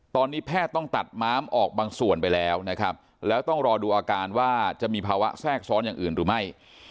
ตอนนี้แพทย์ต้องตัดม้ามออกบางส่วนไปแล้วนะครับแล้วต้องรอดูอาการว่าจะมีภาวะแทรกซ้อนอย่างอื่นหรือไม่